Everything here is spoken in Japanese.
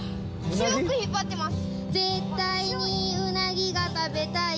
強く引っ張ってます。